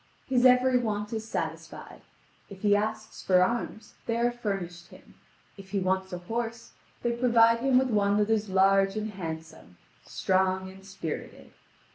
His every want is satisfied: if he asks for arms, they are furnished him: if he wants a horse, they provide him with one that is large and handsome, strong and spirited.